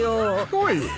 ・おい。